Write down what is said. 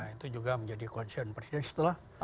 itu juga menjadi concern presiden setelah